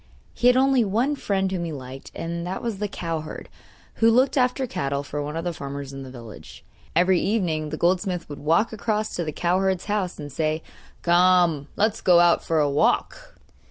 He had only one friend whom he liked, and that was a cowherd, who looked after cattle for one of the farmers in the village. Every evening the goldsmith would walk across to the cowherd's house and say: 'Come, let's go out for a walk!